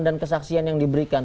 dan kesaksian yang diberikan